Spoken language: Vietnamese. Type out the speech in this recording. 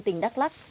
tỉnh đắk lắc